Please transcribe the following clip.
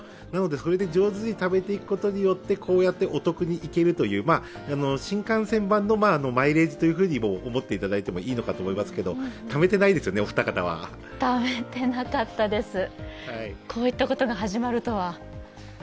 それで上手にためていくことによってお得に行けるという、新幹線版のマイレージと思っていただいてもいいと思うんですけど、ためてないですよね、お二方は？ためてなかったです、こういったことが始まるとは。